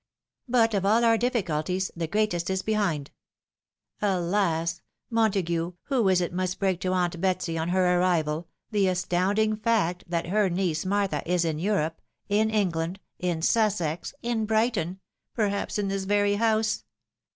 But of all our difficulties the greatest is behind ! Alas ! Mon tague, who is it must break to Aunt Betsy, on her arrival, the astoimding fact that her niece, Martha, is in Europe — ^in Eng land — ^in Sussex — ^in Brighton — perhaps in this very house